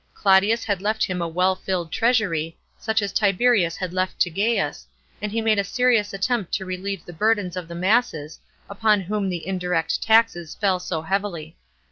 Claudius had left him a well filled treasury, such as Tiberius had left to Gaius, and he made a serious attempt to relieve the burdens of the masses, upon whom the indirect taxes fell so heavily.